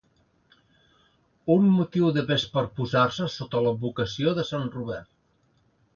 Un motiu de pes per posar-se sota l'advocació de sant Robert.